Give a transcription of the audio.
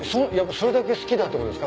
それだけ好きだってことですか？